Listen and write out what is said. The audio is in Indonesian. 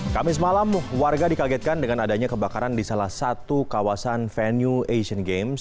kamis malam warga dikagetkan dengan adanya kebakaran di salah satu kawasan venue asian games